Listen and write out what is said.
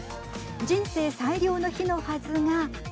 人生最良の日のはずが。